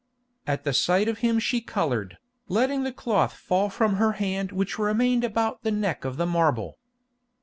At the sight of him she coloured, letting the cloth fall from her hand which remained about the neck of the marble.